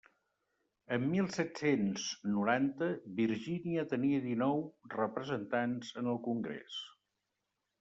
En mil set-cents noranta, Virgínia tenia dinou representants en el Congrés.